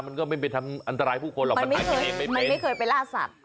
มันก็ไม่ไปทำอันตรายผู้คนหรอกมันอาจจะเองไม่ได้มันไม่เคยไปล่าสัตว